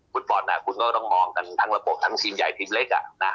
ฟุตบอลคุณก็ต้องมองกันทั้งระบบทั้งทีมใหญ่ทีมเล็ก